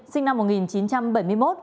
sinh năm một nghìn chín trăm bảy mươi một